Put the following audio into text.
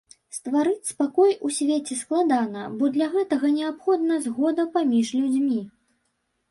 Стварыць спакой у свеце складана, бо для гэтага неабходна згода паміж людзьмі.